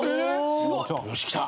よしきた！